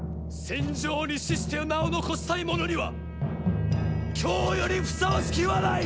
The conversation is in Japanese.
戦場に死して名を残したい者には今日よりふさわしき日はない！